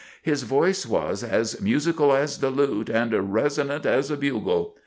His voice was "as musical as the lute and resonant as a bugle."